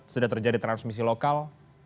sudah terjadi transmisi lokal